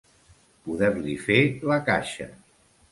Poder-li fer la caixa.